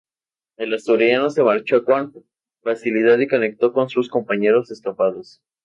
El asturiano se marchó con facilidad y conectó con sus compañeros escapados.